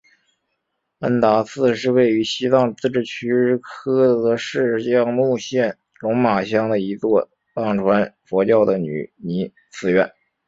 恩达寺是位于西藏自治区日喀则市江孜县龙马乡的一座藏传佛教的女尼寺院。